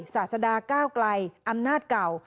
ศาสดาก้าวไกลอำนาจเก่า